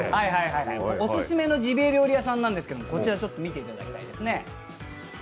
オススメのジビエ料理屋さんなんですけど、こちら見ていただきたいですね。